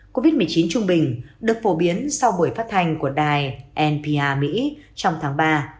covid một mươi chín trung bình được phổ biến sau buổi phát hành của đài npa mỹ trong tháng ba